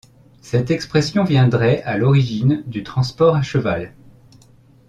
Cette expression viendrait à l'origine du transport à cheval.